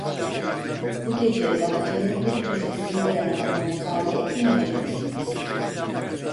Bu gece bahçenin bir köşesinde yatmama müsaade etmeyecek misiniz?